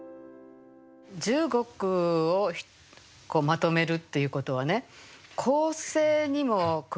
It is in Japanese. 十五句をまとめるっていうことはね